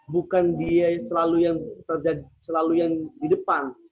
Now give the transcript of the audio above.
bukan dia selalu yang terjadi selalu yang di depan